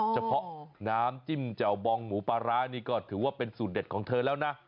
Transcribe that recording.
เฉพาะน้ำจิ้มแจ่วบองหมูปลาร้านี่ก็ถือว่าเป็นสูตรเด็ดของเธอแล้วนะ